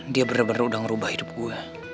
dia bener bener udah ngerubah hidup gue